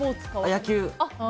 野球！